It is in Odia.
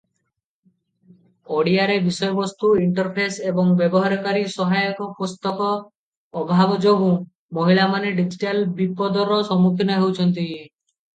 ଓଡ଼ିଆରେ ବିଷୟବସ୍ତୁ, ଇଣ୍ଟରଫେସ ଏବଂ ବ୍ୟବହାରକାରୀ ସହାୟକ ପୁସ୍ତିକା ଅଭାବ ଯୋଗୁଁ ମହିଳାମାନେ ଡିଜିଟାଲ ବିପଦର ସମ୍ମୁଖୀନ ହେଉଛନ୍ତି ।